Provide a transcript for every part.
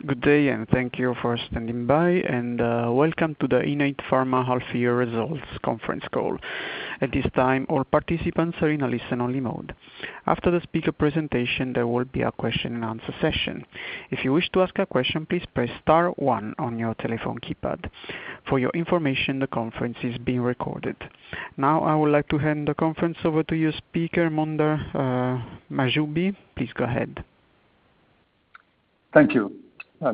I would like to hand the conference over to your speaker, Mondher Mahjoubi. Please go ahead. Thank you.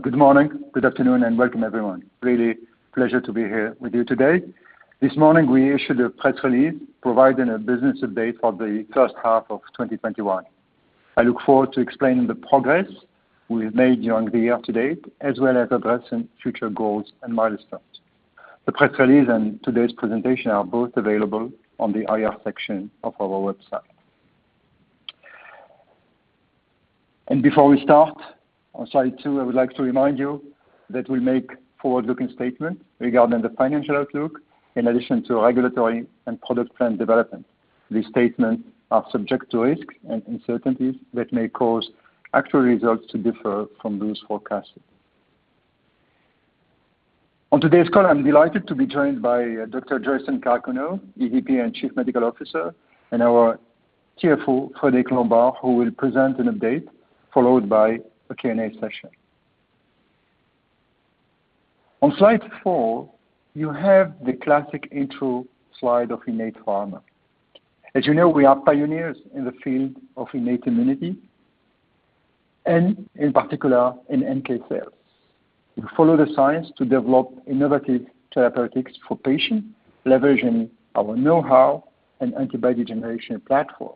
Good morning, good afternoon, and welcome everyone. Really pleasure to be here with you today. This morning, we issued a press release providing a business update for the first half of 2021. I look forward to explaining the progress we have made during the year to date, as well as addressing future goals and milestones. The press release and today's presentation are both available on the IR section of our website. Before we start, on slide two, I would like to remind you that we make forward-looking statements regarding the financial outlook, in addition to regulatory and product plan development. These statements are subject to risks and uncertainties that may cause actual results to differ from those forecasted. On today's call, I'm delighted to be joined by Dr. Joyson Karakunnel, EVP and Chief Medical Officer, and our CFO, Frédéric Lombard, who will present an update followed by a Q&A session. On slide four, you have the classic intro slide of Innate Pharma. As you know, we are pioneers in the field of innate immunity, and in particular in NK cells. We follow the science to develop innovative therapeutics for patients, leveraging our know-how and antibody generation platform.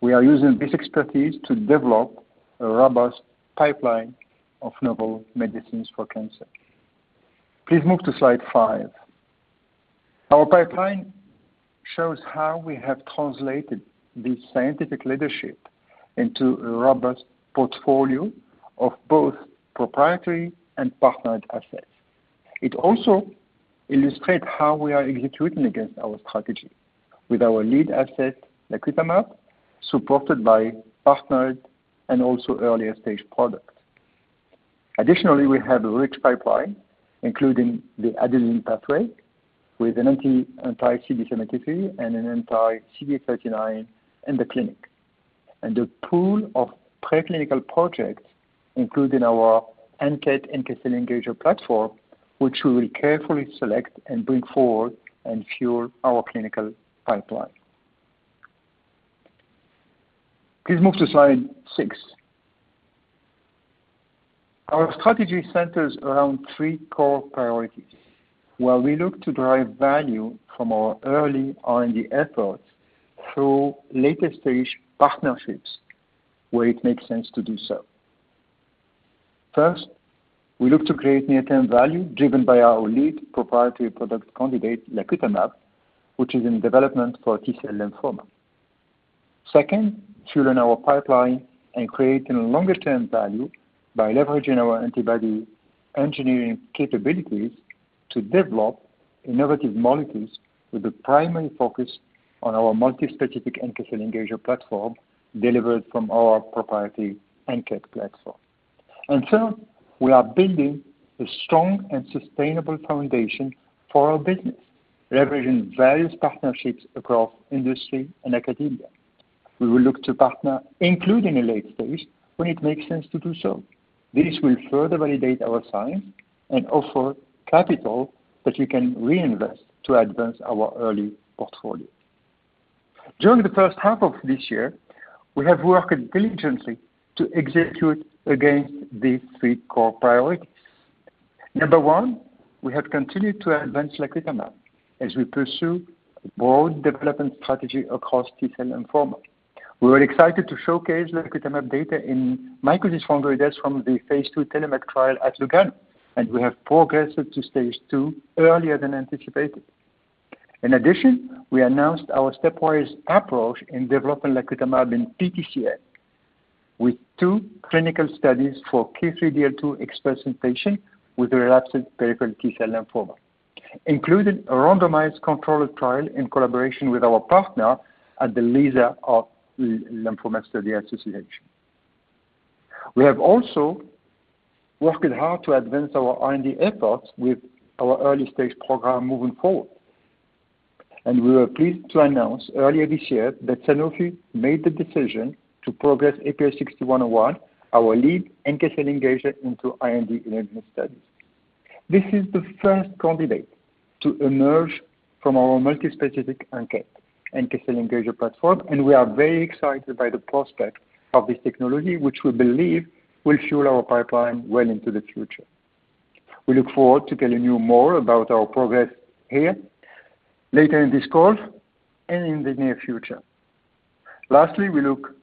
We are using this expertise to develop a robust pipeline of novel medicines for cancer. Please move to slide five. Our pipeline shows how we have translated this scientific leadership into a robust portfolio of both proprietary and partnered assets. It also illustrates how we are executing against our strategy with our lead asset, lacutamab, supported by partnered and also earlier stage products. Additionally, we have a rich pipeline, including the adenosine pathway with an anti-CD73 and an anti-CD39 in the clinic. A pool of preclinical projects, including our ANKET natural killer engager platform, which we will carefully select and bring forward and fuel our clinical pipeline. Please move to slide six. Our strategy centers around three core priorities, where we look to drive value from our early R&D efforts through later stage partnerships where it makes sense to do so. First, we look to create near-term value driven by our lead proprietary product candidate, lacutamab, which is in development for T-cell lymphoma. Second, fueling our pipeline and creating longer-term value by leveraging our antibody engineering capabilities to develop innovative molecules with a primary focus on our multi-specific natural killer engager platform delivered from our proprietary ANKET platform. Third, we are building a strong and sustainable foundation for our business, leveraging various partnerships across industry and academia. We will look to partner, including in late stage, when it makes sense to do so. This will further validate our science and offer capital that we can reinvest to advance our early portfolio. During the first half of this year, we have worked diligently to execute against these three core priorities. Number one, we have continued to advance lacutamab as we pursue a broad development strategy across T-cell lymphoma. We were excited to showcase lacutamab data in mycosis fungoides from the phase II TELLOMAK trial at Lugano, and we have progressed to stage two earlier than anticipated. In addition, we announced our stepwise approach in developing lacutamab in PTCL, with two clinical studies for KIR3DL2 expression patients with relapsed peripheral T-cell lymphoma, including a randomized controlled trial in collaboration with our partner and the leader of Lymphoma Study Association. We have also worked hard to advance our R&D efforts with our early stage program moving forward. We were pleased to announce earlier this year that Sanofi made the decision to progress IPH6101, our lead natural killer engager into R&D enabling studies. This is the first candidate to emerge from our multi-specific NKCE natural killer engager platform, and we are very excited by the prospect of this technology, which we believe will fuel our pipeline well into the future. We look forward to telling you more about our progress here later in this call and in the near future. Lastly, we look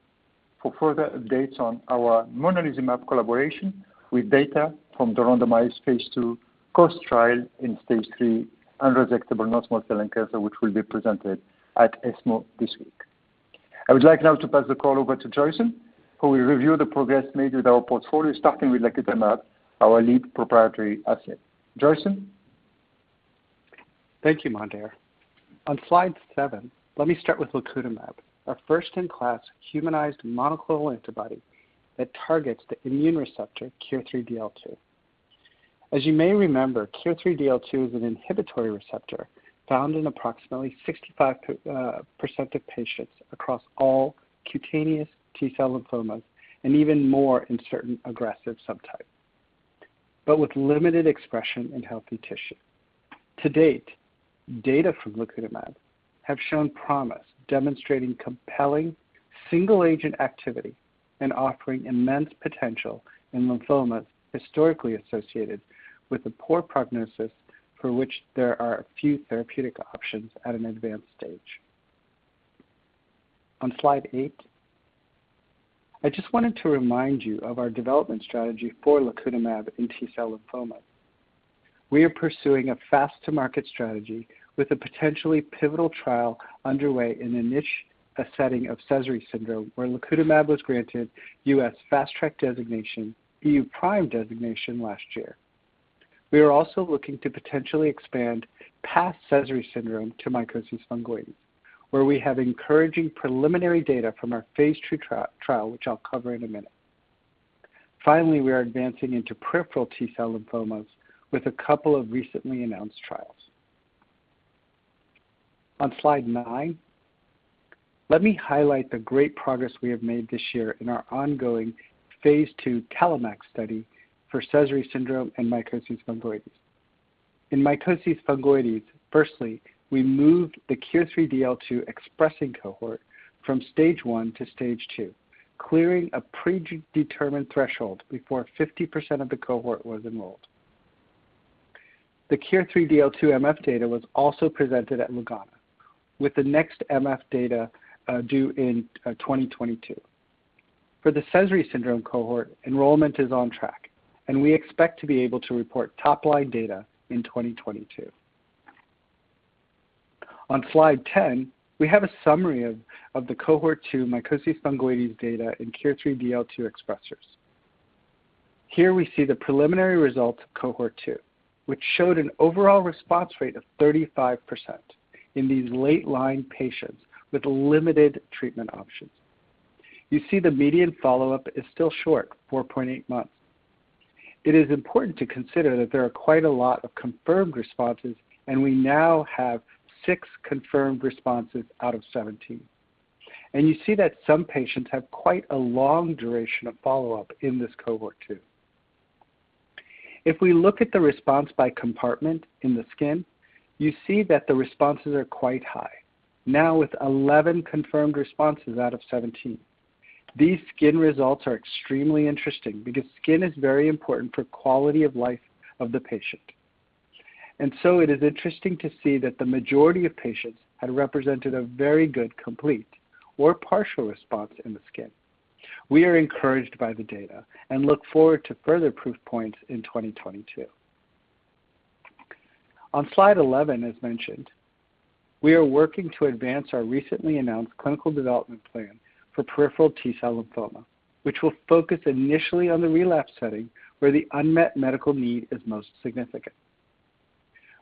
for further updates on our monalizumab collaboration with data from the randomized phase II COAST trial in stage three unresectable non-small cell cancer, which will be presented at ESMO this week. I would like now to pass the call over to Joyson, who will review the progress made with our portfolio, starting with lacutamab, our lead proprietary asset. Joyson? Thank you, Mondher. On slide seven, let me start with lacutamab, our first-in-class humanized monoclonal antibody that targets the immune receptor KIR3DL2. As you may remember, KIR3DL2 is an inhibitory receptor found in approximately 65% of patients across all cutaneous T-cell lymphomas and even more in certain aggressive subtypes, but with limited expression in healthy tissue. To date, data from lacutamab have shown promise, demonstrating compelling single-agent activity and offering immense potential in lymphomas historically associated with a poor prognosis for which there are a few therapeutic options at an advanced stage. On slide eight, I just wanted to remind you of our development strategy for lacutamab in T-cell lymphoma. We are pursuing a fast-to-market strategy with a potentially pivotal trial underway in a niche setting of Sézary syndrome, where lacutamab was granted U.S. Fast Track designation, EU PRIME designation last year. We are also looking to potentially expand past Sézary syndrome to mycosis fungoides, where we have encouraging preliminary data from our phase II trial, which I'll cover in a minute. Finally, we are advancing into peripheral T-cell lymphomas with a couple of recently announced trials. On slide nine, let me highlight the great progress we have made this year in our ongoing phase II TELLOMAK study for Sézary syndrome and mycosis fungoides. In mycosis fungoides, firstly, we moved the KIR3DL2 expressing cohort from stage one to stage two, clearing a predetermined threshold before 50% of the cohort was enrolled. The KIR3DL2 MF data was also presented at Lugano, with the next MF data due in 2022. For the Sézary syndrome cohort, enrollment is on track, and we expect to be able to report top-line data in 2022. On slide 10, we have a summary of the cohort two mycosis fungoides data in KIR3DL2 expressers. Here we see the preliminary results of cohort two, which showed an overall response rate of 35% in these late-line patients with limited treatment options. You see the median follow-up is still short, 4.8 months. It is important to consider that there are quite a lot of confirmed responses. We now have six confirmed responses out of 17. You see that some patients have quite a long duration of follow-up in this cohort two. If we look at the response by compartment in the skin, you see that the responses are quite high, now with 11 confirmed responses out of 17. These skin results are extremely interesting because skin is very important for quality of life of the patient. It is interesting to see that the majority of patients had represented a very good complete or partial response in the skin. We are encouraged by the data and look forward to further proof points in 2022. On slide 11, as mentioned, we are working to advance our recently announced clinical development plan for peripheral T-cell lymphoma, which will focus initially on the relapse setting where the unmet medical need is most significant.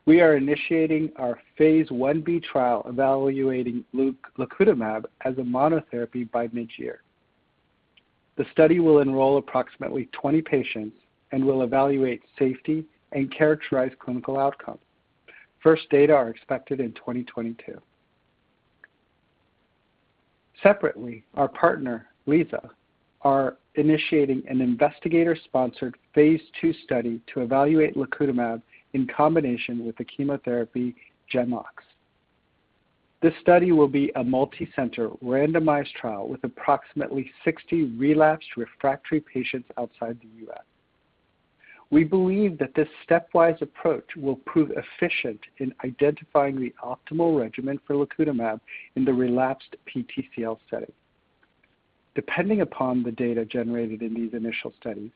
We are initiating our phase Ib trial evaluating lacutamab as a monotherapy by mid-year. The study will enroll approximately 20 patients and will evaluate safety and characterize clinical outcome. First data are expected in 2022. Separately, our partner, LYSA, are initiating an investigator-sponsored phase II study to evaluate lacutamab in combination with the chemotherapy GemOx. This study will be a multicenter randomized trial with approximately 60 relapsed refractory patients outside the U.S. We believe that this stepwise approach will prove efficient in identifying the optimal regimen for lacutamab in the relapsed PTCL setting. Depending upon the data generated in these initial studies,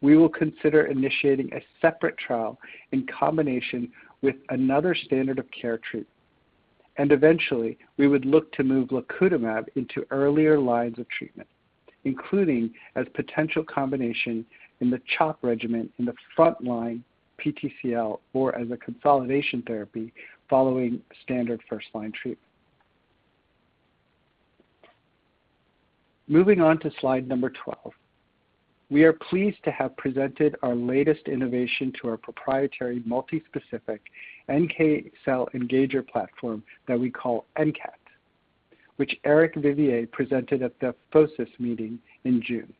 we will consider initiating a separate trial in combination with another standard of care treatment, and eventually, we would look to move lacutamab into earlier lines of treatment, including as potential combination in the CHOP regimen in the frontline PTCL or as a consolidation therapy following standard first-line treatment. Moving on to slide number 12. We are pleased to have presented our latest innovation to our proprietary multi-specific NK cell engager platform that we call ANKET, which Eric Vivier presented at the FOCIS meeting in June,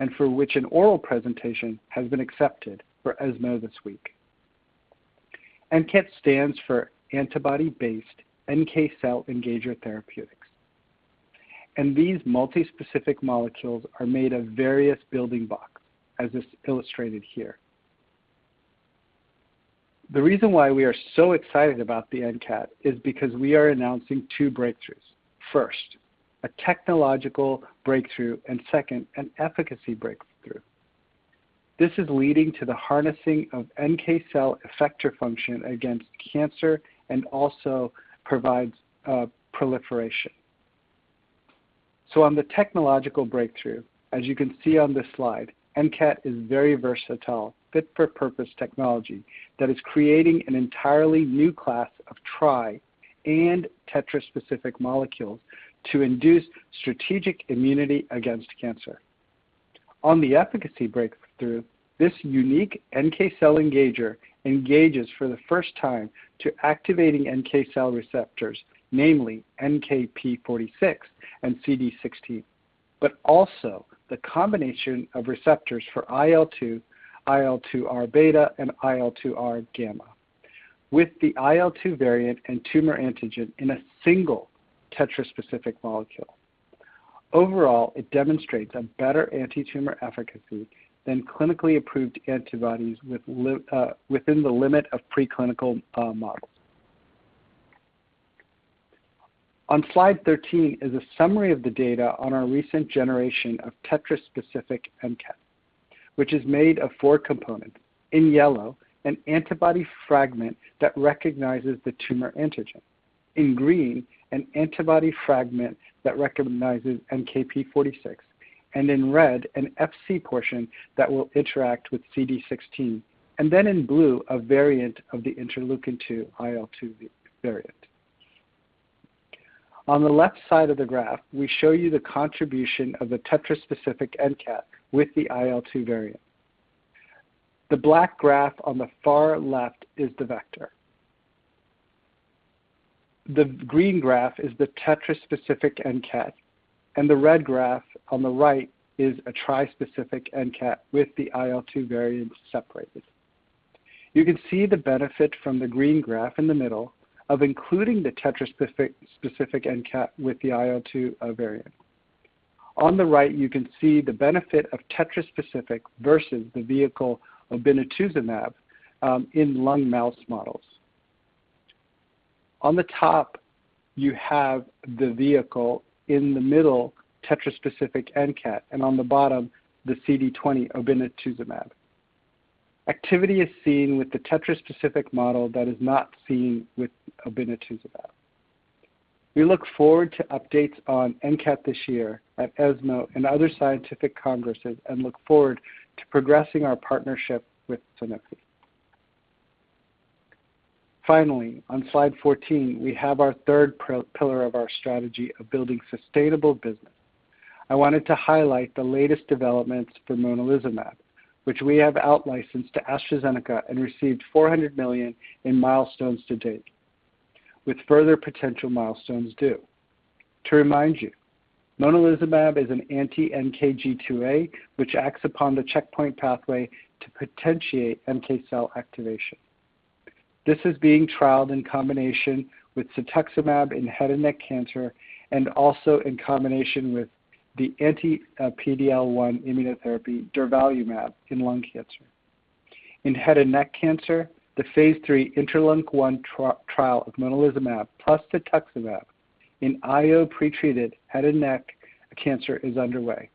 and for which an oral presentation has been accepted for ESMO this week. ANKET stands for Antibody-based NK Cell Engager Therapeutics. These multi-specific molecules are made of various building blocks, as is illustrated here. The reason why we are so excited about the ANKET is because we are announcing two breakthroughs. First, a technological breakthrough, and second, an efficacy breakthrough. This is leading to the harnessing of NK cell effector function against cancer and also provides proliferation. On the technological breakthrough, as you can see on this slide, ANKET is very versatile, fit for purpose technology that is creating an entirely new class of tri and tetra specific molecules to induce strategic immunity against cancer. On the efficacy breakthrough, this unique NK cell engager engages for the first time two activating NK cell receptors, namely NKp46 and CD16, but also the combination of receptors for IL-2, IL-2R-beta, and IL-2R gamma. With the IL-2 variant and tumor antigen in a single tetra-specific molecule. Overall, it demonstrates a better anti-tumor efficacy than clinically approved antibodies within the limit of preclinical models. On slide 13 is a summary of the data on our recent generation of tetra-specific ANKET, which is made of four components. In yellow, an antibody fragment that recognizes the tumor antigen. In green, an antibody fragment that recognizes NKp46. In red, an Fc portion that will interact with CD16. In blue, a variant of the interleukin-2 IL-2 variant. On the left side of the graph, we show you the contribution of the tetra-specific ANKET with the IL-2 variant. The black graph on the far left is the vector. The green graph is the tetra-specific ANKET, and the red graph on the right is a tri-specific ANKET with the IL-2 variant separated. You can see the benefit from the green graph in the middle of including the tetra-specific ANKET with the IL-2 variant. On the right, you can see the benefit of tetra-specific versus the vehicle obinutuzumab in lung mouse models. On the top, you have the vehicle, in the middle, tetra-specific ANKET, and on the bottom, the CD20 obinutuzumab. Activity is seen with the tetra-specific model that is not seen with obinutuzumab. We look forward to updates on ANKET this year at ESMO and other scientific congresses and look forward to progressing our partnership with Sanofi. Finally, on slide 14, we have our third pillar of our strategy of building sustainable business. I wanted to highlight the latest developments for monalizumab, which we have out-licensed to AstraZeneca and received 400 million in milestones to date, with further potential milestones due. To remind you, monalizumab is an anti-NKG2A, which acts upon the checkpoint pathway to potentiate NK cell activation. This is being trialed in combination with cetuximab in head and neck cancer, and also in combination with the anti-PD-L1 immunotherapy durvalumab in lung cancer. In head and neck cancer, the phase III INTERLINK-1 trial of monalizumab plus cetuximab in IO pretreated head and neck cancer is underway.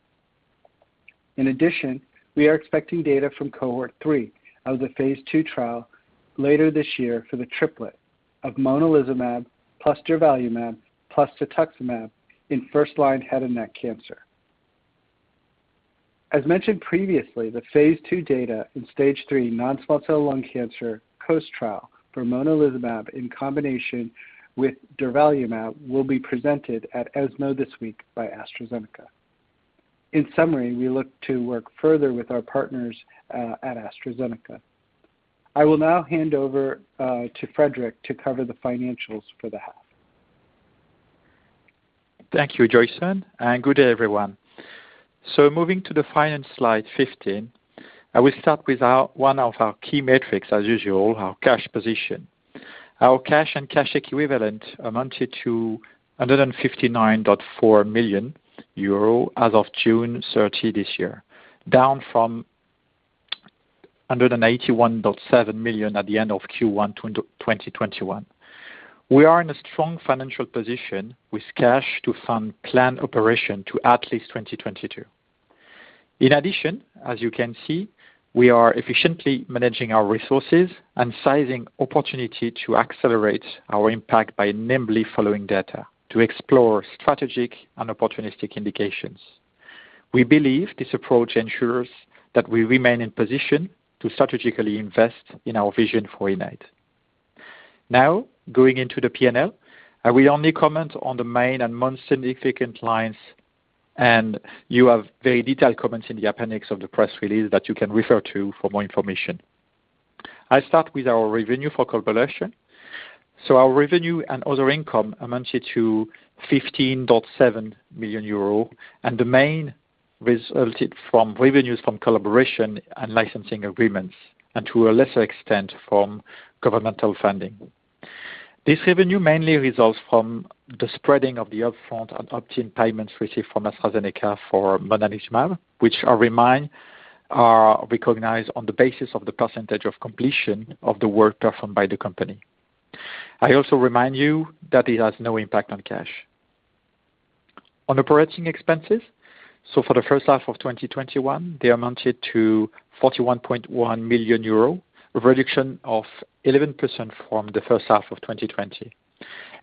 In addition, we are expecting data from cohort three of the phase II trial later this year for the triplet of monalizumab plus durvalumab plus cetuximab in first-line head and neck cancer. As mentioned previously, the phase II data in stage three non-small cell lung cancer COAST trial for monalizumab in combination with durvalumab will be presented at ESMO this week by AstraZeneca. In summary, we look to work further with our partners at AstraZeneca. I will now hand over to Frédéric to cover the financials for the half. Thank you, Joyson, good day, everyone. Moving to the finance slide 15, I will start with one of our key metrics as usual, our cash position. Our cash and cash equivalent amounted to 159.4 million euro as of June 30 this year, down from 181.7 million at the end of Q1 2021. We are in a strong financial position with cash to fund planned operation to at least 2022. In addition, as you can see, we are efficiently managing our resources and sizing opportunity to accelerate our impact by nimbly following data to explore strategic and opportunistic indications. We believe this approach ensures that we remain in position to strategically invest in our vision for Innate. Now, going into the P&L, I will only comment on the main and most significant lines, and you have very detailed comments in the appendix of the press release that you can refer to for more information. I start with our revenue for collaboration. Our revenue and other income amounted to 15.7 million euro, and the main resulted from revenues from collaboration and licensing agreements, and to a lesser extent, from governmental funding. This revenue mainly results from the spreading of the upfront and opt-in payments received from AstraZeneca for monalizumab, which I remind are recognized on the basis of the percentage of completion of the work performed by the company. I also remind you that it has no impact on cash. On operating expenses. For the first half of 2021, they amounted to 41.1 million euro, a reduction of 11% from the first half of 2020.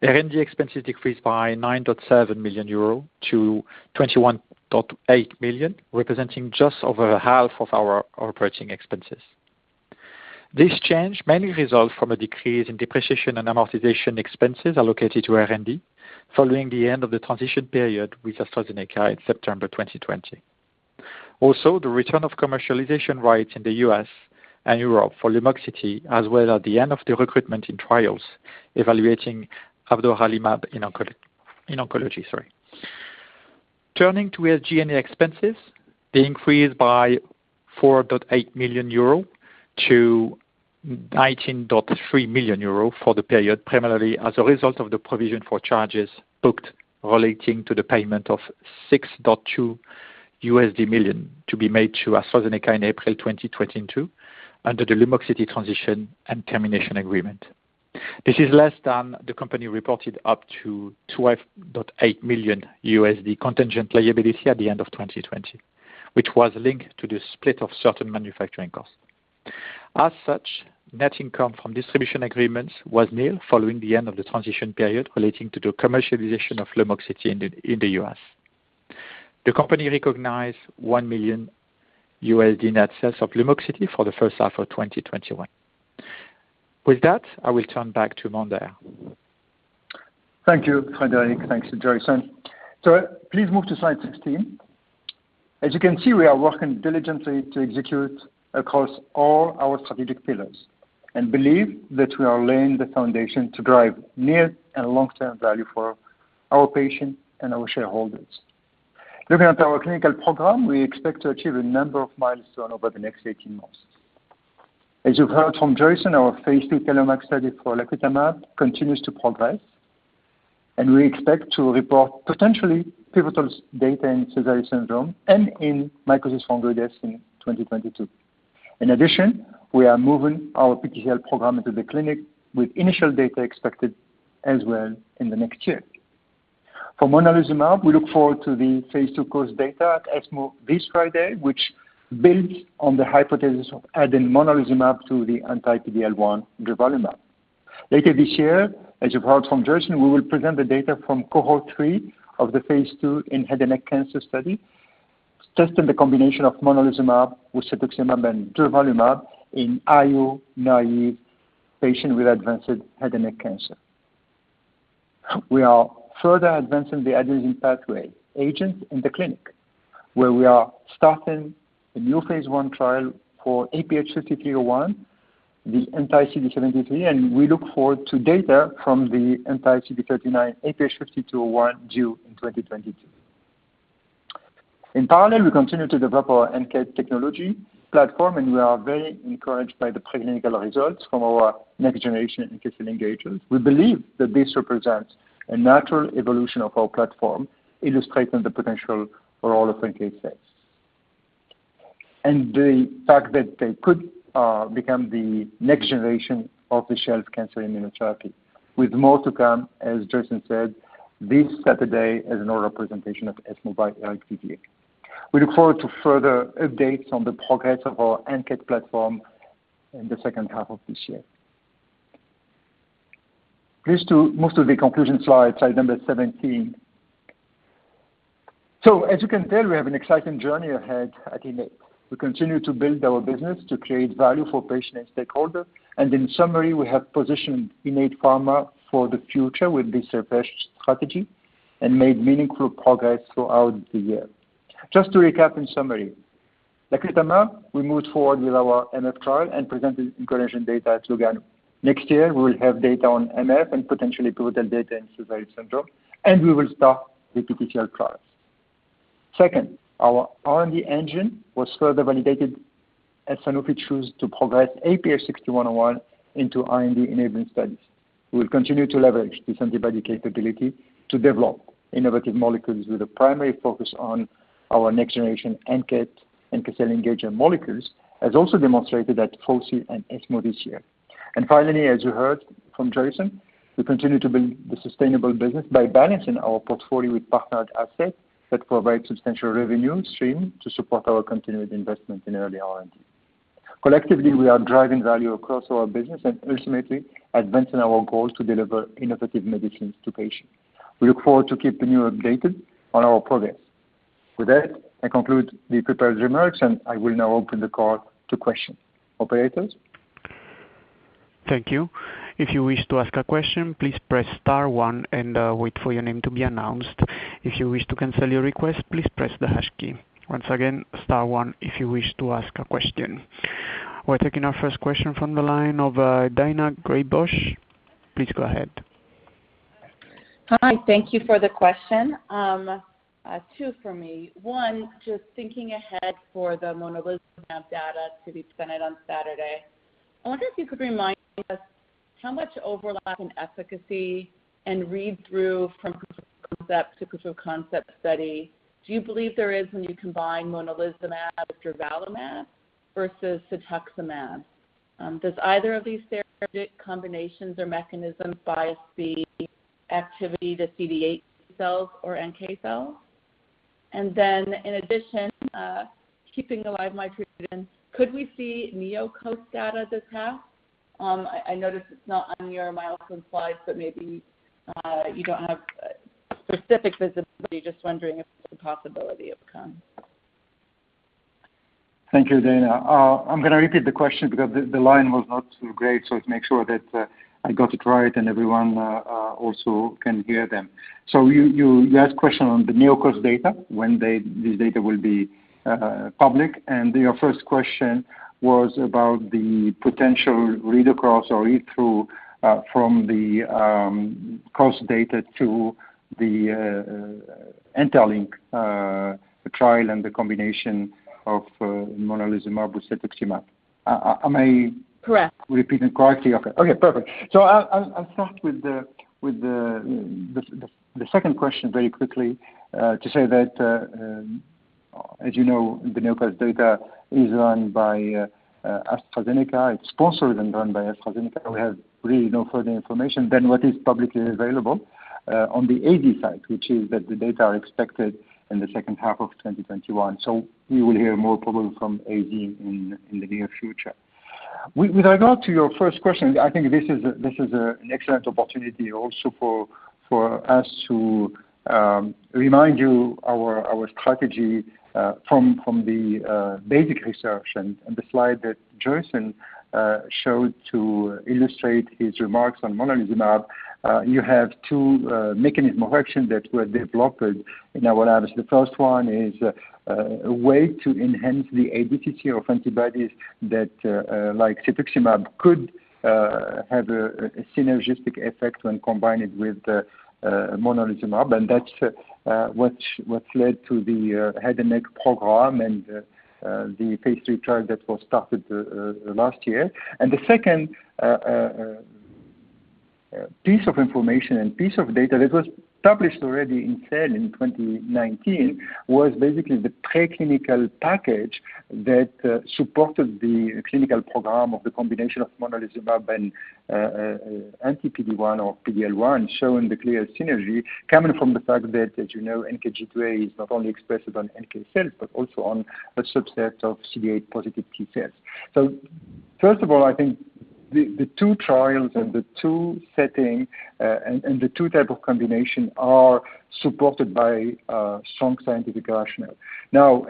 R&D expenses decreased by 9.7 million euro to 21.8 million, representing just over half of our operating expenses. This change mainly results from a decrease in depreciation and amortization expenses allocated to R&D following the end of the transition period with AstraZeneca in September 2020. The return of commercialization rights in the US and Europe for Lumoxiti, as well as the end of the recruitment in trials evaluating avdoralimab in oncology. Turning to SG&A expenses, they increased by 4.8 million euro to 19.3 million euro for the period, primarily as a result of the provision for charges booked relating to the payment of $6.2 million to be made to AstraZeneca in April 2022 under the Lumoxiti transition and termination agreement. This is less than the company reported up to $12.8 million contingent liability at the end of 2020, which was linked to the split of certain manufacturing costs. As such, net income from distribution agreements was nil following the end of the transition period relating to the commercialization of Lumoxiti in the U.S. The company recognized $1 million net sales of Lumoxiti for the first half of 2021. With that, I will turn back to Mondher. Thank you, Frédéric. Thanks, Joyson. Please move to slide 16. As you can see, we are working diligently to execute across all our strategic pillars and believe that we are laying the foundation to drive near and long-term value for our patients and our shareholders. Looking at our clinical program, we expect to achieve a number of milestones over the next 18 months. As you've heard from Joyson, our phase II TELLOMAK study for lacutamab continues to progress, and we expect to report potentially pivotal data in Sézary syndrome and in mycosis fungoides in 2022. In addition, we are moving our PTCL program into the clinic, with initial data expected as well in the next year. For monalizumab, we look forward to the phase II COAST data at ESMO this Friday, which builds on the hypothesis of adding monalizumab to the anti-PD-L1 durvalumab. Later this year, as you've heard from Joyson, we will present the data from cohort three of the phase II in head and neck cancer study, testing the combination of monalizumab with cetuximab and durvalumab in IO-naive patients with advanced head and neck cancer. We are further advancing the adenosine pathway agent in the clinic, where we are starting a new phase I trial for IPH5301, the anti-CD73, and we look forward to data from the anti-CD39 IPH5301 due in 2022. In parallel, we continue to develop our ANKET technology platform, we are very encouraged by the preclinical results from our next generation NK engager. We believe that this represents a natural evolution of our platform, illustrating the potential for all of NK cells, and the fact that they could become the next generation off-the-shelf cancer immunotherapy. With more to come, as Joyson said, this Saturday is another presentation at ESMO by Eric Vivier. We look forward to further updates on the progress of our ANKET platform in the second half of this year. Please move to the conclusion slide number 17. As you can tell, we have an exciting journey ahead at Innate. We continue to build our business to create value for patients and stakeholders. In summary, we have positioned Innate Pharma for the future with this refresh strategy and made meaningful progress throughout the year. Just to recap in summary, lacutamab, we moved forward with our MF trial and presented encouraging data at Lugano. Next year, we will have data on MF and potentially pivotal data in Sézary syndrome. We will start the PTCL trials. Second, our R&D engine was further validated as Sanofi chose to progress 443579 into R&D enabling studies. We will continue to leverage this antibody capability to develop innovative molecules with a primary focus on our next generation ANKET, NK engaging molecules, as also demonstrated at FOCIS and ESMO this year. Finally, as you heard from Joyson, we continue to build the sustainable business by balancing our portfolio with partnered assets that provide substantial revenue stream to support our continued investment in early R&D. Collectively, we are driving value across our business and ultimately advancing our goals to deliver innovative medicines to patients. We look forward to keeping you updated on our progress. With that, I conclude the prepared remarks, and I will now open the call to questions. Operator? Thank you. If you wish to ask a question please press star one and wait for your name to be announced. If you wish to cancel your request please press the hash key. Once again, star one if you wish to ask a question. We're taking our first question from the line of Daina Graybosch. Please go ahead. Hi. Thank you for the question. Two from me. One, just thinking ahead for the monalizumab data to be presented on Saturday. I wonder if you could remind us how much overlap in efficacy and read-through from proof of concept to proof of concept study do you believe there is when you combine monalizumab with durvalumab versus cetuximab? Does either of these therapeutic combinations or mechanisms bias the activity, the CD8 cells or NK cells. In addition, keeping alive my treatment, could we see NeoCOAST data this half? I notice it's not on your milestone slides, maybe you don't have specific visibility. Just wondering if it's a possibility it will come. Thank you, Daina. I'm going to repeat the question because the line was not great, so to make sure that I got it right and everyone also can hear them. You asked question on the NeoCOAST data, when this data will be public. Your first question was about the potential read across or read through from the COAST data to the INTERLINK trial and the combination of monalizumab with cetuximab. Correct. Am I repeating correctly? Okay, perfect. I'll start with the second question very quickly, to say that as you know, the NeoCOAST data is run by AstraZeneca. It's sponsored and run by AstraZeneca. We have really no further information than what is publicly available on the AZ site, which is that the data are expected in the second half of 2021. We will hear more probably from AZ in the near future. With regard to your first question, I think this is an excellent opportunity also for us to remind you our strategy from the basic research and the slide that Joyson showed to illustrate his remarks on monalizumab. You have two mechanism of action that were developed in our labs. The first one is a way to enhance the ADCC of antibodies that like cetuximab could have a synergistic effect when combined with monalizumab. That's what led to the head and neck program and the phase III trial that was started last year. The second piece of information and piece of data that was published already in Cell in 2019 was basically the preclinical package that supported the clinical program of the combination of monalizumab and anti-PD-1 or PD-L1, showing the clear synergy coming from the fact that, as you know, NKG2A is not only expressed on NK cells but also on a subset of CD8 positive T-cells. First of all, I think the two trials and the two setting and the two type of combination are supported by a strong scientific rationale.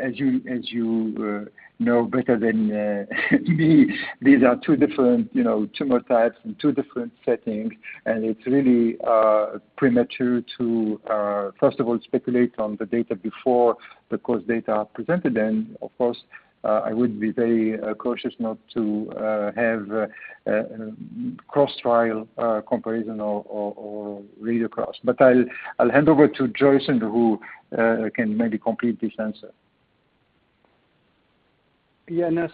As you know better than me, these are two different tumor types and two different settings, and it's really premature to first of all speculate on the data before the COAST data are presented. Of course, I would be very cautious not to have a cross trial comparison or read across. I'll hand over to Joyson who can maybe complete this answer. No.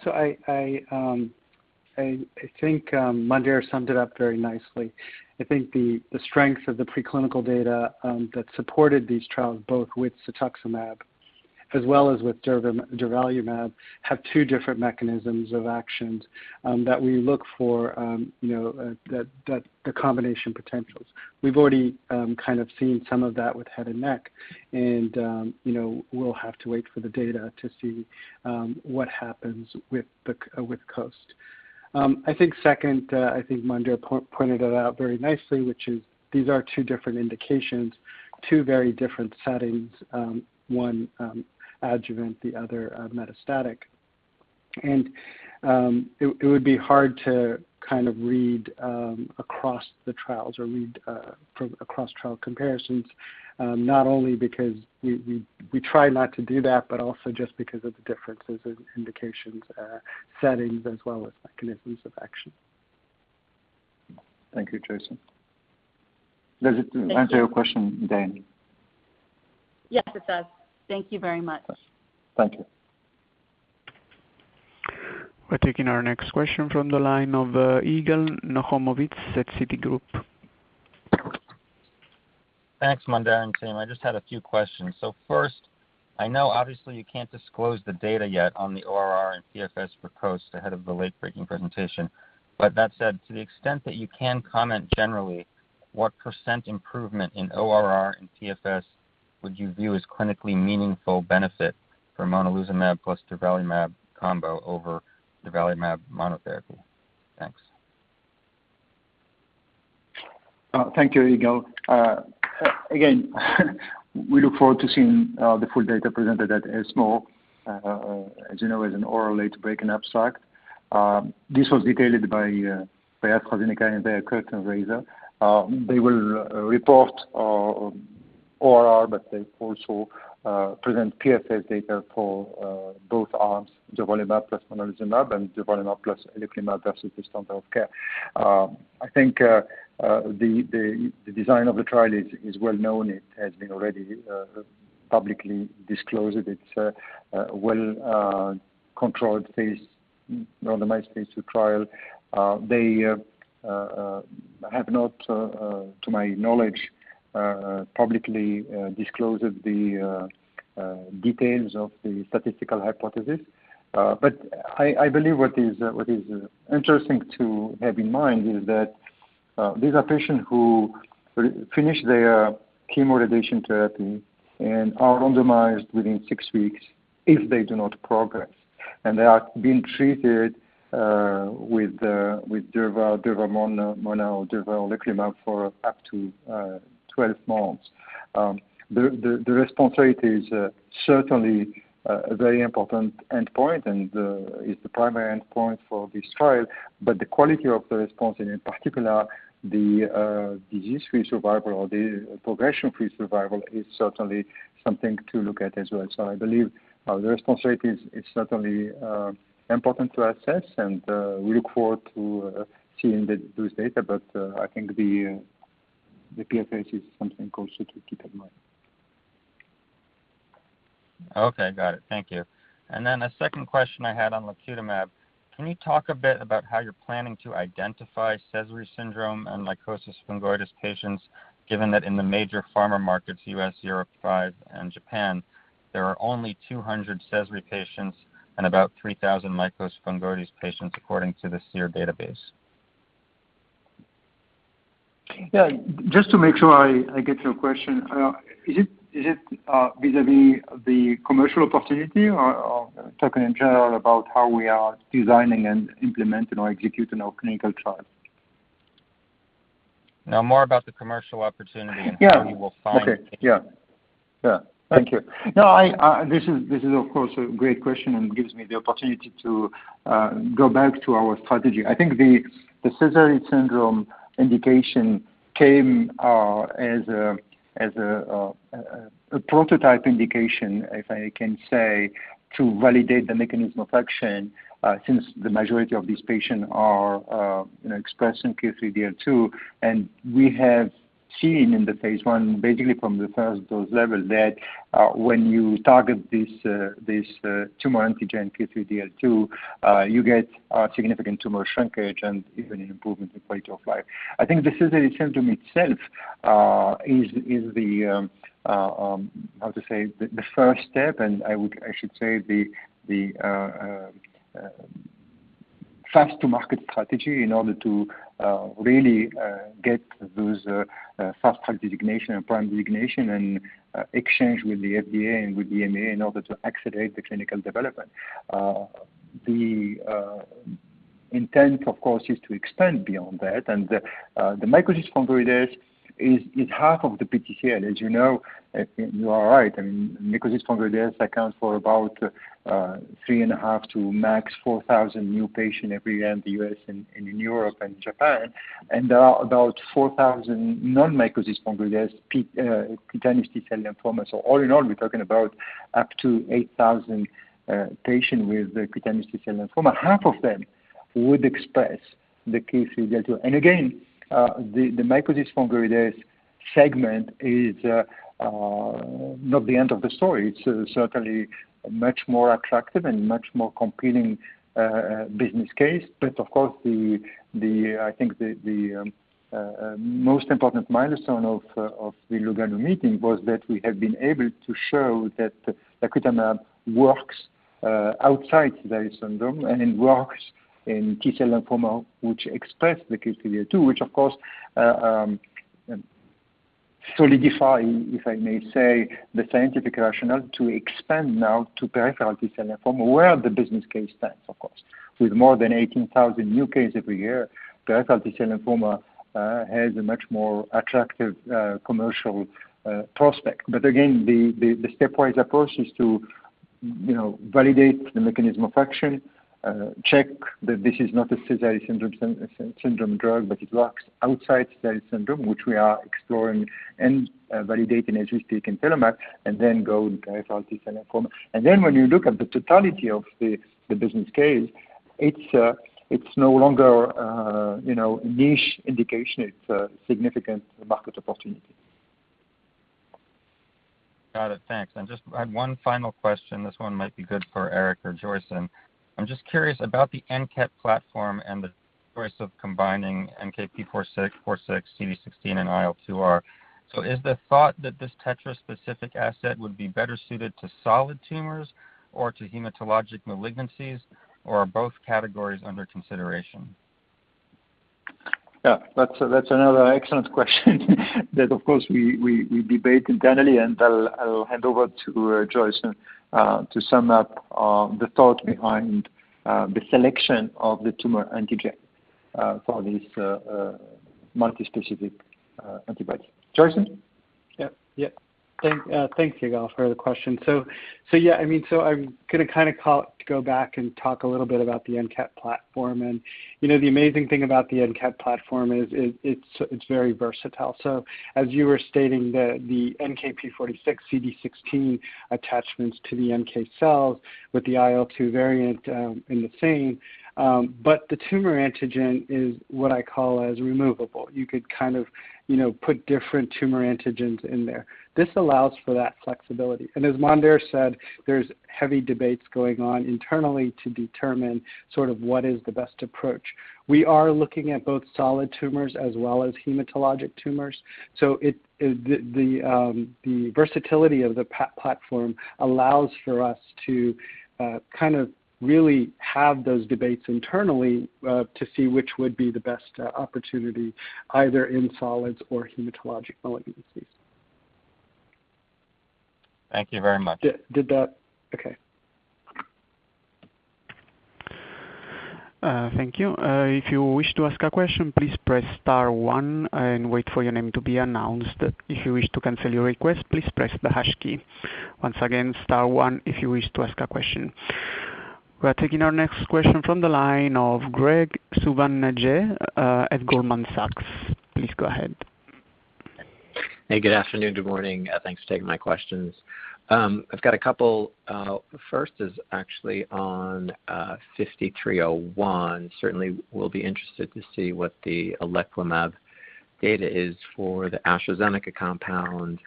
I think Mondher summed it up very nicely. I think the strength of the preclinical data that supported these trials both with cetuximab as well as with durvalumab have two different mechanisms of actions that we look for the combination potentials. We've already kind of seen some of that with head and neck, and we'll have to wait for the data to see what happens with COAST. I think second, I think Mondher pointed it out very nicely, which is these are two different indications, two very different settings. One adjuvant, the other metastatic. It would be hard to read across the trials or read across trial comparisons, not only because we try not to do that, but also just because of the differences in indications, settings, as well as mechanisms of action. Thank you, Joyson. Does it answer your question, Daina? Yes, it does. Thank you very much. Thank you. We're taking our next question from the line of Yigal Nochomovitz, Citigroup. Thanks, Mondher and team. I just had a few questions. First, I know obviously you can't disclose the data yet on the ORR and PFS for COAST ahead of the late breaking presentation. That said, to the extent that you can comment generally, what % improvement in ORR and PFS would you view as clinically meaningful benefit for monalizumab plus durvalumab combo over durvalumab monotherapy? Thanks. Thank you, Yigal. Again, we look forward to seeing the full data presented at ESMO as an oral late breaking abstract. This was detailed by AstraZeneca and their curtain raiser. They will report ORR, but they also present PFS data for both arms, durvalumab plus monalizumab and durvalumab plus oleclumab versus standard of care. I think the design of the trial is well known. It has been already publicly disclosed. It's a well-controlled randomized phase II trial. They have not to my knowledge publicly disclosed the details of the statistical hypothesis. But I believe what is interesting to have in mind is that these are patients who finish their chemo radiation therapy and are randomized within six weeks if they do not progress. They are being treated with durvalumab for up to 12 months. The response rate is certainly a very important endpoint and is the primary endpoint for this trial. The quality of the response, and in particular, the disease-free survival or the progression-free survival, is certainly something to look at as well. I believe the response rate is certainly important to assess and we look forward to seeing those data. I think the PFS is something also to keep in mind. Okay, got it. Thank you. A second question I had on lacutamab. Can you talk a bit about how you're planning to identify Sézary syndrome and mycosis fungoides patients, given that in the major pharma markets, U.S., Europe Five, and Japan, there are only 200 Sézary patients and about 3,000 mycosis fungoides patients, according to the SEER database? Just to make sure I get your question. Is it vis-à-vis the commercial opportunity or talking in general about how we are designing and implementing or executing our clinical trial? No, more about the commercial opportunity. Yeah. Okay. Yeah. Thank you. This is of course, a great question and gives me the opportunity to go back to our strategy. I think the Sézary syndrome indication came as a prototype indication, if I can say, to validate the mechanism of action, since the majority of these patients are expressing KIR3DL2. We have seen in the phase I, basically from the first dose level, that when you target this tumor antigen KIR3DL2 you get significant tumor shrinkage and even an improvement in quality of life. I think the Sézary syndrome itself is the, how to say, the first step, and I should say the fast-to-market strategy in order to really get those Fast Track designation and PRIME designation and exchange with the FDA and with EMA in order to accelerate the clinical development. The intent, of course, is to expand beyond that. The mycosis fungoides is half of the PTCL. As you know, you are right. Mycosis fungoides accounts for about 3.5 to max 4,000 new patients every year in the U.S. and in Europe and Japan. There are about 4,000 non-mycosis fungoides cutaneous T-cell lymphomas. All in all, we're talking about up to 8,000 patients with cutaneous T-cell lymphoma. Half of them would express the KIR3DL2. Again, the mycosis fungoides segment is not the end of the story. It's certainly much more attractive and much more compelling business case. Of course, I think the most important milestone of the Lugano meeting was that we have been able to show that lacutamab works outside Sézary syndrome and it works in T-cell lymphoma, which express the KIR3DL2, which of course solidifies, if I may say, the scientific rationale to expand now to peripheral T-cell lymphoma where the business case stands, of course. With more than 18,000 new cases every year, peripheral T-cell lymphoma has a much more attractive commercial prospect. Again, the stepwise approach is to validate the mechanism of action, check that this is not a Sézary syndrome drug, but it works outside Sézary syndrome, which we are exploring and validating as we speak in TELLOMAK, and then go to peripheral T-cell lymphoma. When you look at the totality of the business case, it's no longer a niche indication. It's a significant market opportunity. Got it. Thanks. I have one final question. This one might be good for Frédéric or Joyson. I'm just curious about the ANKET platform and the choice of combining NKp46, CD16, and IL-2R. Is the thought that this tetra-specific asset would be better suited to solid tumors or to hematologic malignancies, or are both categories under consideration? Yeah. That is another excellent question that of course we debate internally, and I will hand over to Joyson to sum up the thought behind the selection of the tumor antigen for this multi-specific antibody. Joyson? Yeah. Thanks, Yigal, for the question. Yeah, I'm going to kind of go back and talk a little bit about the ANKET platform. The amazing thing about the ANKET platform is it's very versatile. As you were stating, the NKp46 CD16 attachments to the NK cells with the IL-2 variant in the same. The tumor antigen is what I call as removable. You could kind of put different tumor antigens in there. This allows for that flexibility. As Monder said, there's heavy debates going on internally to determine sort of what is the best approach. We are looking at both solid tumors as well as hematologic tumors. The versatility of the platform allows for us to kind of really have those debates internally to see which would be the best opportunity either in solids or hematologic malignancies. Thank you very much. Did that. Okay. Thank you. If you wish to ask a question please press star one and wait for your name to be announced. If you wish to cancel your request please press the hash key. Once again star one if you wish to ask a question. We're taking our next question from the line of Graig Suvannavejh at Goldman Sachs. Please go ahead. Hey, good afternoon. Good morning. Thanks for taking my questions. I've got a couple. First is actually on IPH5301. Certainly will be interested to see what the oleclumab data is for the AstraZeneca compound.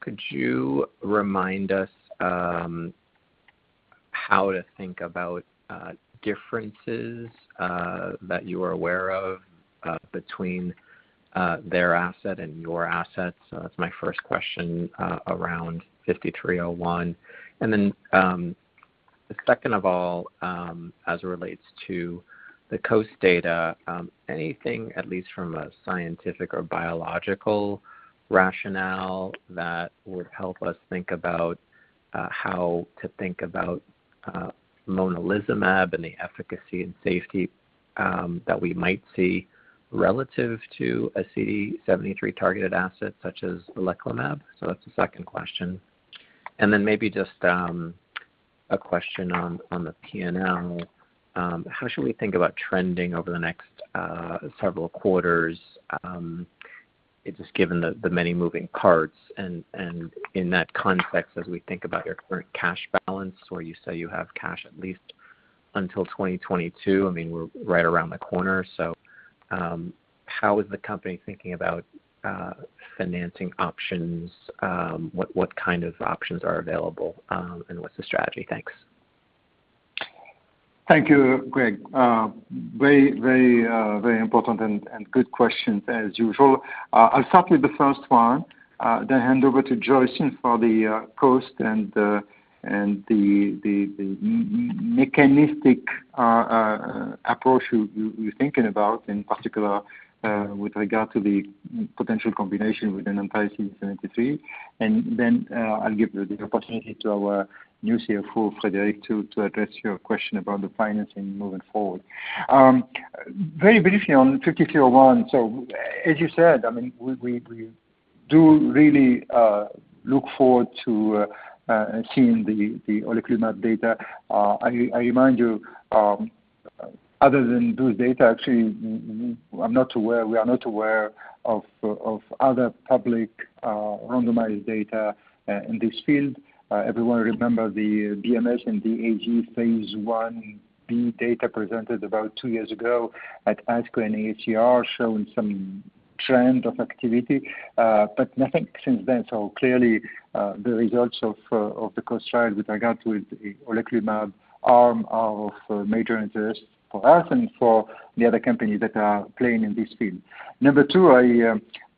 Could you remind us how to think about differences that you are aware of between their asset and your asset? That's my first question around IPH5301. The second of all, as it relates to the COAST data, anything at least from a scientific or biological rationale that would help us think about how to think about monalizumab and the efficacy and safety that we might see relative to a CD73 targeted asset such as oleclumab. That's the second question. Maybe just a question on the P&L. How should we think about trending over the next several quarters, just given the many moving parts and in that context, as we think about your current cash balance where you say you have cash at least until 2022? I mean, we're right around the corner. How is the company thinking about financing options? What kind of options are available and what's the strategy? Thanks. Thank you, Graig. Very important and good questions as usual. I'll start with the first one then hand over to Joyson for the COAST and the mechanistic approach you're thinking about in particular with regard to the potential combination with anti-CD73. I'll give the opportunity to our new CFO, Frédéric, to address your question about the financing moving forward. Very briefly on IPH5301. As you said, we do really look forward to seeing the oleclumab data. I remind you, other than those data actually we are not aware of other public randomized data in this field. Everyone remember the Bristol Myers Squibb and the AG phase Ib data presented about two years ago at ASCO and AACR showing some trend of activity but nothing since then. Clearly the results of the COAST trial with regard to the oleclumab arm are of major interest for us and for the other companies that are playing in this field. Number two,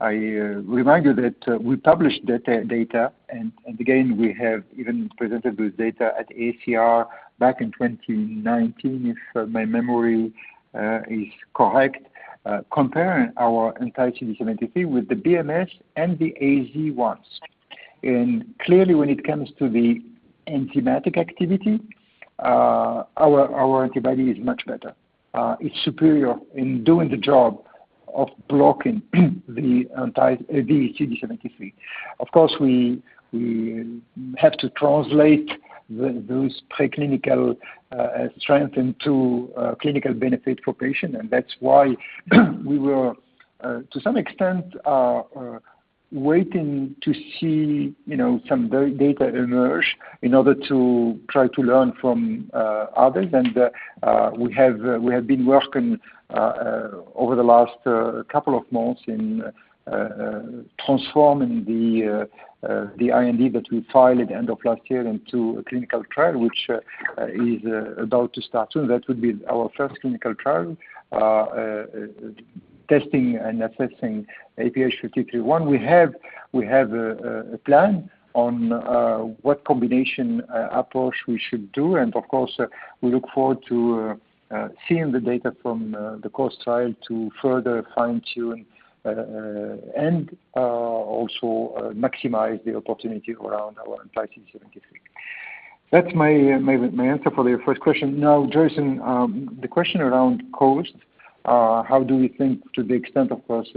I remind you that we published that data and again, we have even presented those data at AACR back in 2019, if my memory is correct comparing our anti-CD73 with the BMS and the AZ ones. Clearly when it comes to the enzymatic activity, our antibody is much better. It's superior in doing the job of blocking the anti-CD73. Of course, we have to translate those preclinical strength into clinical benefit for patient and that's why we were to some extent waiting to see some data emerge in order to try to learn from others. We have been working over the last couple of months in transforming the IND that we filed at the end of last year into a clinical trial, which is about to start soon. That would be our first clinical trial testing and assessing IPH5301. We have a plan on what combination approach we should do and of course we look forward to seeing the data from the COAST trial to further fine tune and also maximize the opportunity around our anti-CD73. That's my answer for the first question. Joyson, the question around COAST. How do we think to the extent of course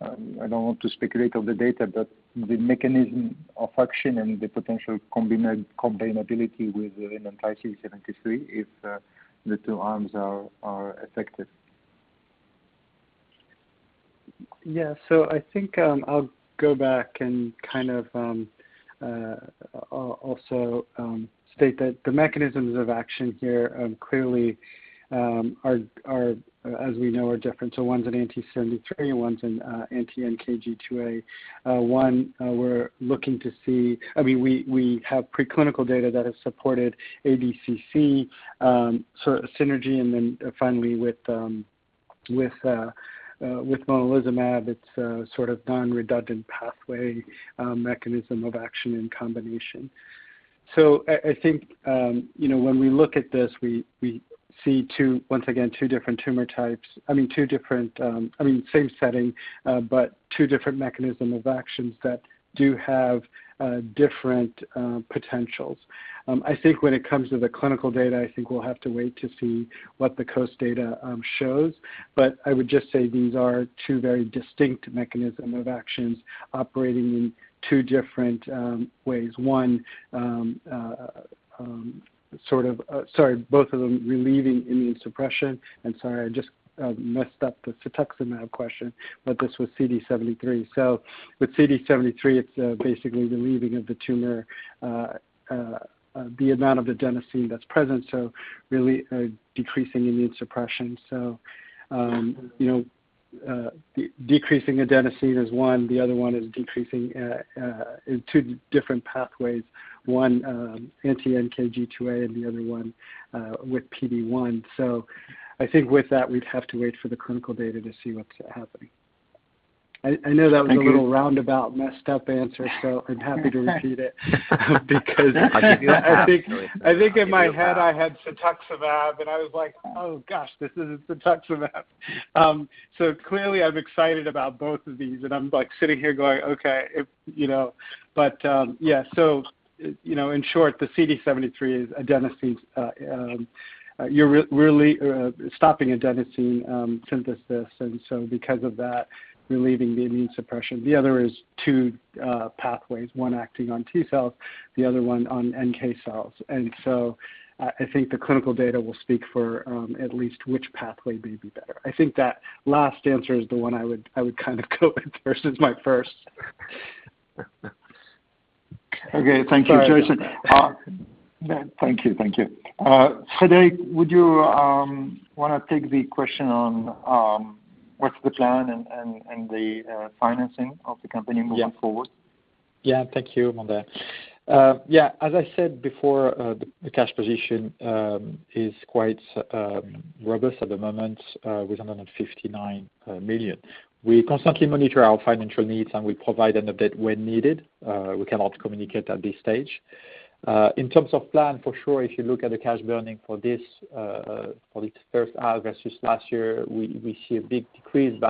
I don't want to speculate on the data, but the mechanism of action and the potential combinability with an anti-CD73 if the two arms are effective. Yeah. I think I'll go back and kind of also state that the mechanisms of action here clearly as we know, are different. One's an anti-73, one's an anti-NKG2A. We have preclinical data that has supported ADCC synergy and then finally with monalizumab it's sort of non-redundant pathway mechanism of action and combination. I think when we look at this, we see, once again, two different tumor types. Same setting, two different mechanism of actions that do have different potentials. I think when it comes to the clinical data, I think we'll have to wait to see what the COAST data shows. I would just say these are two very distinct mechanism of actions operating in two different ways. Sorry, both of them relieving immune suppression. Sorry, I just messed up the cetuximab question, but this was CD73. With CD73, it's basically relieving of the tumor, the amount of adenosine that's present, so really decreasing immune suppression. Decreasing adenosine is one. The other one is decreasing in two different pathways, one anti NKG2A and the other one with PD-1. I think with that, we'd have to wait for the clinical data to see what's happening. I know that was a little roundabout messed up answer, so I'm happy to repeat it because I think in my head I had cetuximab and I was like, "Oh, gosh, this isn't cetuximab." Clearly I'm excited about both of these and I'm sitting here going, okay. Yeah. In short, the CD73 is adenosine. You're really stopping adenosine synthesis and so because of that, relieving the immune suppression. The other is two pathways, one acting on T-cells, the other one on NK cells. I think the clinical data will speak for at least which pathway may be better. I think that last answer is the one I would kind of go with versus my first. Okay. Thank you, Joyson. Thank you. Frédéric, would you want to take the question on what's the plan and the financing of the company moving forward? Yeah. Thank you, Mondher. Yeah, as I said before, the cash position is quite robust at the moment with 159 million. We constantly monitor our financial needs. We provide an update when needed. We cannot communicate at this stage. In terms of plan, for sure, if you look at the cash burning for this first half versus last year, we see a big decrease.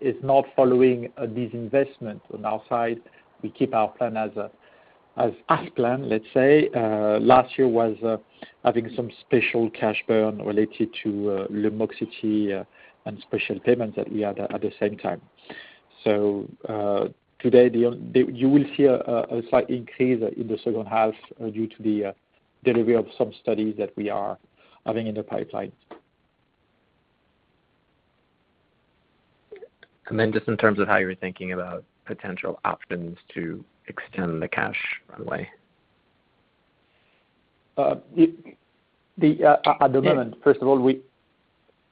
It's not following this investment. On our side, we keep our plan as planned, let's say. Last year was having some special cash burn related to Lumoxiti and special payments that we had at the same time. Today you will see a slight increase in the second half due to the delivery of some studies that we are having in the pipeline. Just in terms of how you're thinking about potential options to extend the cash runway. At the moment, first of all, we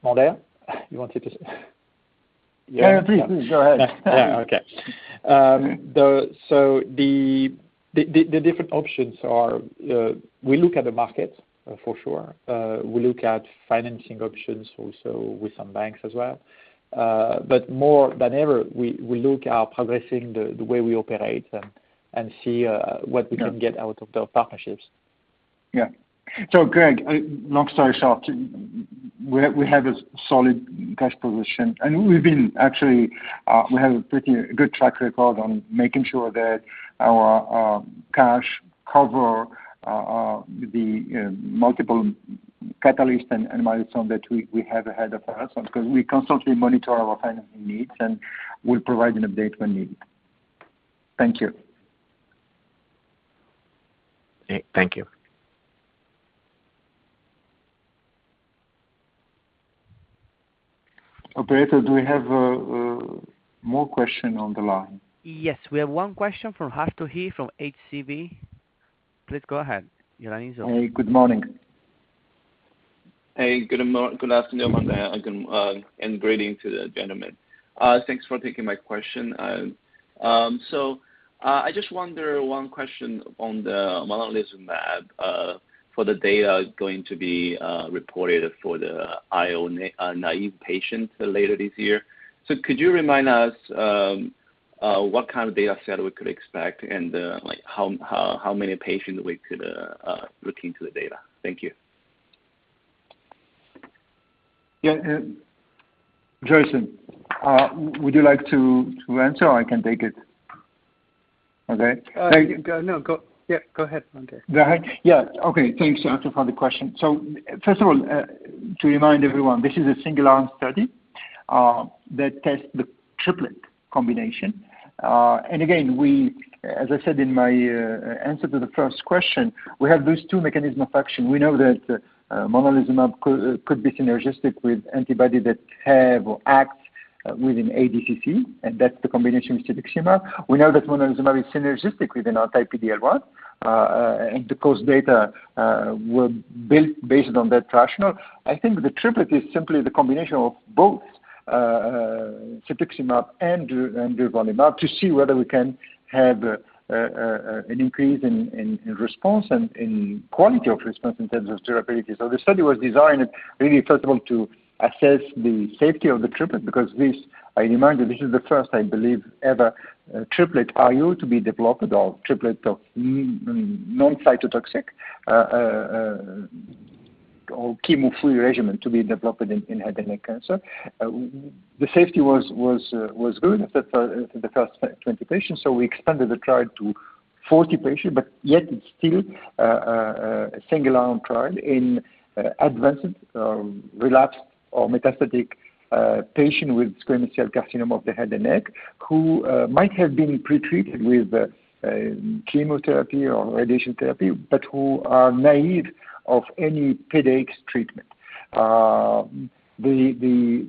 Mondher? You want me to? Yeah, please. Go ahead. Yeah, okay. The different options are, we look at the market for sure. We look at financing options also with some banks as well. More than ever, we look at progressing the way we operate and see what we can get out of those partnerships. Yeah. Graig, long story short, we have a solid cash position, we have a pretty good track record on making sure that our cash cover the multiple catalysts and milestone that we have ahead of us because we constantly monitor our financing needs, and we will provide an update when needed. Thank you. Thank you. Operator, do we have more question on the line? Yes, we have one question from Arthur He from HCW. Please go ahead. Your line is open. Hey, good morning. Hey, good afternoon, Mondher, and greeting to the gentlemen. Thanks for taking my question. I just wonder one question on the monalizumab, for the data going to be reported for the IO naive patients later this year. Could you remind us what kind of data set we could expect and how many patients we could look into the data? Thank you. Yeah. Joyson, would you like to answer or I can take it? Okay. No. Yeah, go ahead, Mondher. Go ahead. Yeah. Okay. Thanks, Joyson, for the question. First of all, to remind everyone, this is a single arm study that tests the triplet combination. Again, as I said in my answer to the first question, we have those two mechanism of action. We know that monalizumab could be synergistic with antibody that have or act within ADCC, and that's the combination with cetuximab. We know that monalizumab is synergistic with an anti PD-L1, and the COAST data were based on that rationale. I think the triplet is simply the combination of both cetuximab and durvalumab to see whether we can have an increase in response and in quality of response in terms of durability. The study was designed really, first of all, to assess the safety of the triplet because this, I remind you, this is the first, I believe, ever triplet IO to be developed or triplet of non-cytotoxic or chemo-free regimen to be developed in head and neck cancer. The safety was good for the first 20 patients, so we expanded the trial to 40 patients, but yet it's still a single-arm trial in advanced relapsed or metastatic patients with squamous cell carcinoma of the head and neck, who might have been pre-treated with chemotherapy or radiation therapy, but who are naive of any PD-X treatment. The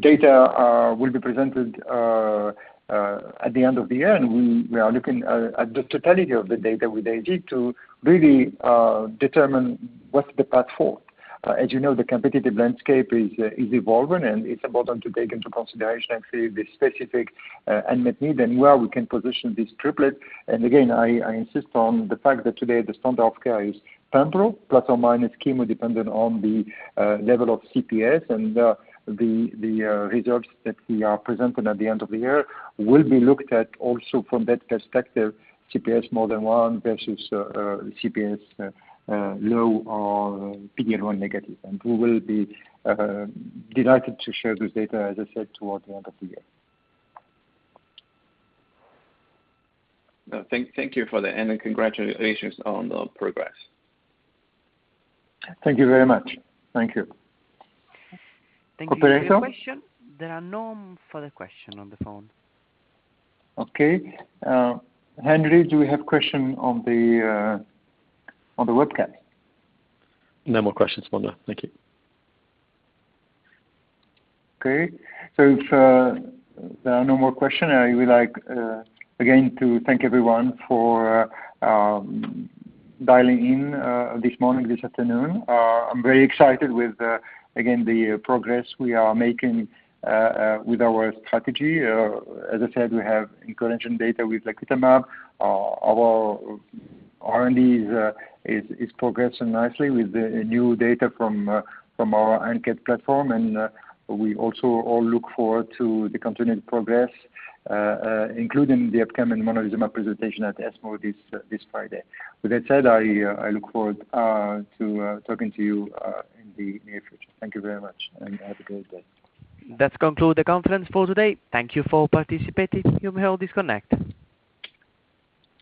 data will be presented at the end of the year, and we are looking at the totality of the data with AZ to really determine what's the path forward. As you know, the competitive landscape is evolving, and it's important to take into consideration actually the specific unmet need and where we can position this triplet. Again, I insist on the fact that today the standard of care is pembro, plus or minus chemo, dependent on the level of CPS and the results that we are presenting at the end of the year will be looked at also from that perspective, CPS more than one versus CPS low or PD-L1 negative. We will be delighted to share this data, as I said, toward the end of the year. Thank you for that, and congratulations on the progress. Thank you very much. Thank you. Operator? Thank you. Any further question? There are no further question on the phone. Okay. Henry, do we have question on the webcast? No more questions, Mondher. Thank you. Great. If there are no more questions, I would like, again, to thank everyone for dialing in this morning, this afternoon. I'm very excited with, again, the progress we are making with our strategy. As I said, we have encouraging data with lacutamab. Our R&D is progressing nicely with the new data from our ANKET platform, and we also all look forward to the continued progress, including the upcoming monalizumab presentation at ESMO this Friday. With that said, I look forward to talking to you in the near future. Thank you very much, and have a great day. That conclude the conference for today. Thank you for participating. You may all disconnect.